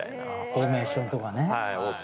フォーメーションとかね。